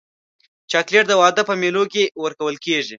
چاکلېټ د واده په مېلو کې ورکول کېږي.